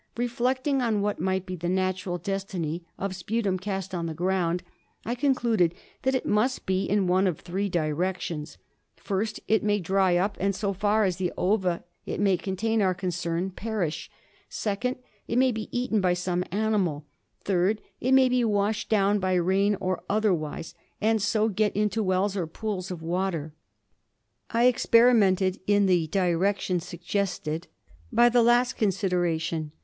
Reflecting on what might be the natural destiny of sputum cast on the ground, I con cluded that it must be in one of three directions. First, it may dry up and, so far as the ova it may contain are concerned, perish. Second, it may be eaten by some animal. Third, it may be washed down by rain or other wise, and so get into wells or pools of water. I experi mented in the direction suggested by the last considera tion.